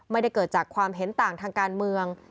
ไม่ได้เกิดจากความเห็นต่างทางการเมือง